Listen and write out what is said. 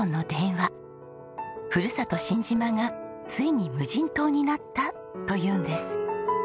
「ふるさと新島がついに無人島になった」と言うんです。